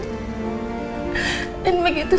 dan begitu sayang sama ibu